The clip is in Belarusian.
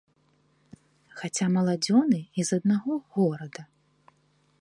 Хаця маладзёны і з аднаго горада.